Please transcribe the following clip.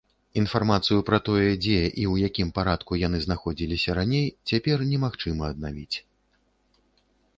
Інфармацыю пра тое, дзе і ў якім парадку яны знаходзіліся раней, цяпер немагчыма аднавіць.